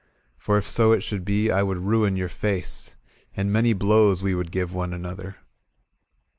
For if so it should be, I would ruin your face. And many blows we would give one another.